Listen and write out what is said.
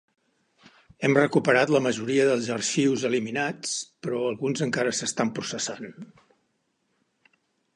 Hem recuperat la majoria dels arxius eliminats, però alguns encara s'estan processant.